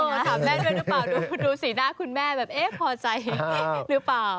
ถามแม่ด้วยหรือเปล่าดูสีหน้าคุณแม่แบบเอ๊ะพอใจหรือเปล่า